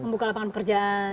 membuka lapangan pekerjaan